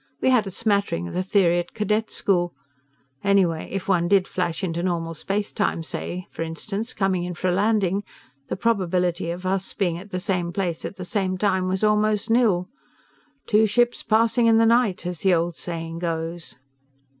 We had a smattering of the theory at cadet school ... anyway, if one did flash into normal space time say, for instance, coming in for a landing the probability of us being at the same place at the same time was almost nil. 'Two ships passing in the night' as the old saying goes."